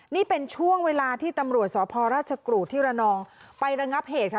นี่เป็นช่วงเวลาที่ตำรวจสพราชกรูดที่ระนองไประงับเหตุค่ะ